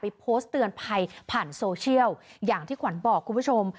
โพสต์เตือนภัยผ่านโซเชียลอย่างที่ขวัญบอกคุณผู้ชม